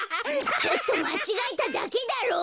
ちょっとまちがえただけだろ！